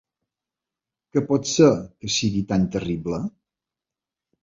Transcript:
Què pot ser, que sigui tan terrible?